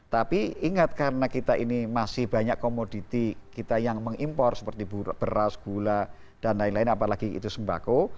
tapi ingat karena kita ini masih banyak komoditi kita yang mengimpor seperti beras gula dan lain lain apalagi itu sembako